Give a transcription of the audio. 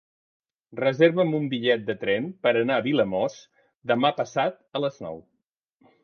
Reserva'm un bitllet de tren per anar a Vilamòs demà passat a les nou.